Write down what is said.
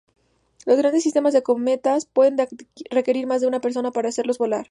Los grandes sistemas de cometas pueden requerir más de una persona para hacerlos volar.